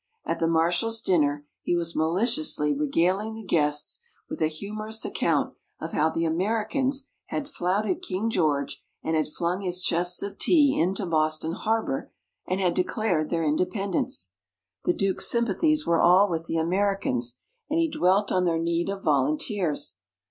At the Marshal's dinner he was maliciously regaling the guests with a humorous account of how the Americans had flouted King George and had flung his chests of tea into Boston Harbour, and had declared their Independence. The Duke's sympathies were all with the Americans, and he dwelt on their need of volunteers.